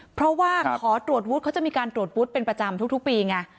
เพราะว่าขอตรวจวุฒิเขาจะมีการตรวจวุฒิเป็นประจำทุกปีไง